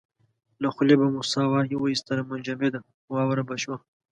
له خولې به مو ساه واېستله منجمده واوره به شوه.